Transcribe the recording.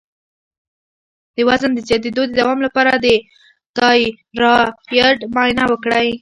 د وزن د زیاتیدو د دوام لپاره د تایرايډ معاینه وکړئ